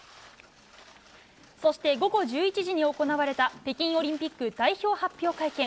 そして午後１１時に行われた北京オリンピック代表決定会見。